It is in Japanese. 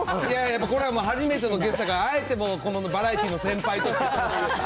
これはもう初めてのゲストだからあえてもう、このバラエティの先輩として言う。